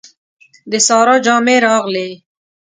د سارا جامې راغلې.